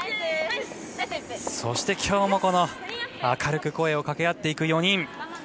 そして今日も明るく声をかけ合っていく４人。